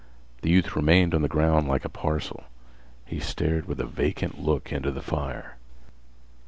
The youth remained on the ground like a parcel. He stared with a vacant look into the fire.